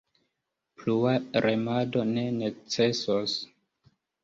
Plua remado ne necesos.